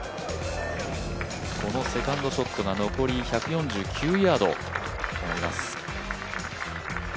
セカンドショットが残り１４９ヤードあります。